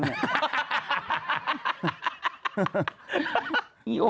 เดตไห้บ้าง